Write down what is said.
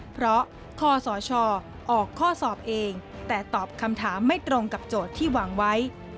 เพราะคศออกข้อสอบเองแต่ตอบคำถามไม่ตรงกับโจทย์ที่วางไว้